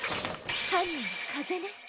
犯人は風ね！